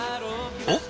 おっ？